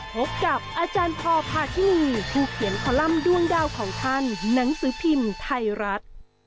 พบกับอาจารย์พอพาทินีผู้เขียนคอลัมป์ด้วงดาวของท่านหนังสือพิมพ์ไทยรัฐ